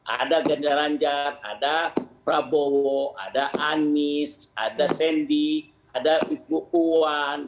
ada ganjaranjat ada prabowo ada anies ada sandy ada ibu kuan